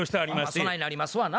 そないなりますわな。